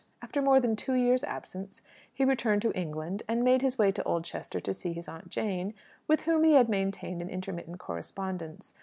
After more than two years' absence, he returned to England and made his way to Oldchester to see his Aunt Jane, with whom he had maintained an intermittent correspondence.